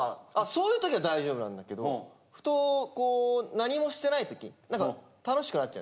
そういう時は大丈夫なんだけどふとこう何もしてない時何か楽しくなっちゃうんですよね。